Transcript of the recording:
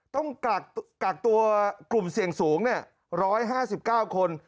ต้องกักตัวกลุ่มเสี่ยงสูง๑๕๙คน